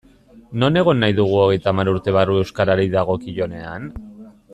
Non egon nahi dugu hogeita hamar urte barru euskarari dagokionean?